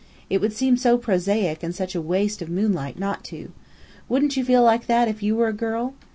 It would seem so prosaic and such a waste, of moonlight, not to. Wouldn't you feel like that if you were a girl?"